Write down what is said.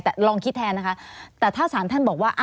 แต่ลองคิดแทนนะคะแต่ถ้าสารท่านบอกว่า